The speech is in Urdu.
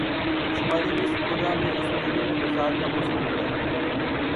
شمالی نصف کرہ میں اس مہینے میں برسات کا موسم ہوتا ہے